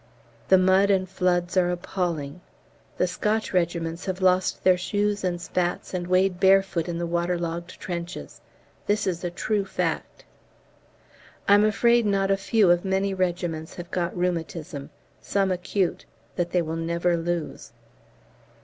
The mud and floods are appalling. The Scotch regiments have lost their shoes and spats and wade barefoot in the water logged trenches. This is a true fact. I'm afraid not a few of many regiments have got rheumatism some acute that they will never lose.